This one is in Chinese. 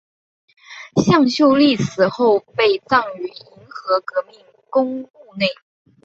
向秀丽死后被葬于银河革命公墓内。